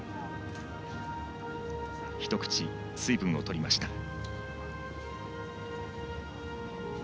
１口、水分をとりました。